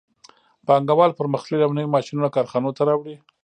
پانګوال پرمختللي او نوي ماشینونه کارخانو ته راوړي